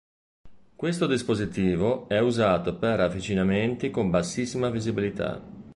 Questo dispositivo è usato per avvicinamenti con bassissima visibilità.